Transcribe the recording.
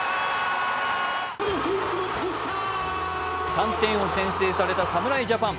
３点を先制された侍ジャパン。